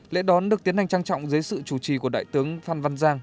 lễ đón được tiến hành trang trọng dưới sự chủ trì của đại tướng phan văn giang